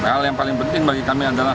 hal yang paling penting bagi kami adalah